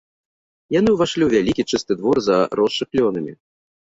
Яны ўвайшлі ў вялікі, чысты двор, заросшы клёнамі.